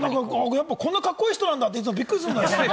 こんなカッコいい人なんだって、いつもびっくりするのよ。